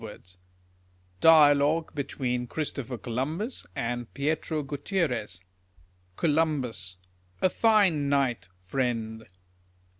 139 ) DIALOGUE BETWEEN CHRISTOPHER COLUMBUS AND PIETRO GUTIERREZ, Columhiis. A fine night, friend.